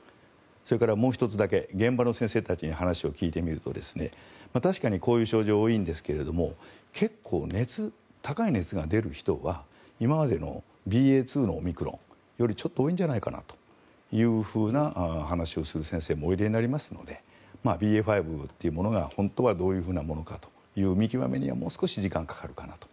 それからもう１つだけ現場の先生たちに話を聞いてみると確かにこういう症状は多いですが結構、熱、高い熱が出る人は今までのＢＡ．２のオミクロンよりちょっと多いんじゃないかなというふうな話をする先生もおいでになりますのでＢＡ．５というものが本当はどういうものかという見極めにはもう少し時間がかかるかなと。